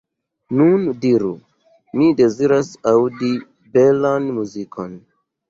Nun diru: mi deziras aŭdi belan muzikon.